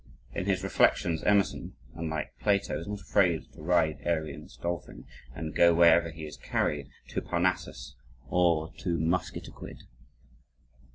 In his reflections Emerson, unlike Plato, is not afraid to ride Arion's Dolphin, and to go wherever he is carried to Parnassus or to "Musketaquid."